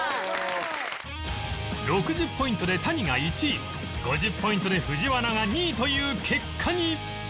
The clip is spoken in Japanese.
６０ポイントで谷が１位５０ポイントで藤原が２位という結果に